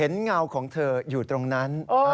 เงาของเธออยู่ตรงนั้น